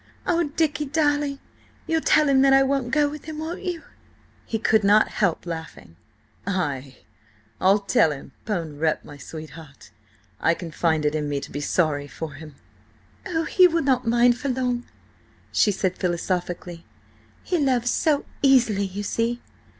Oh, Dicky darling, you'll tell him that I won't go with him, won't you?" He could not help laughing. "Ay, I'll tell him. 'Pon rep., sweetheart, I can find it in me to be sorry for him!" "Oh, he will not mind for long," she said philosophically. "He loves so easily, you see!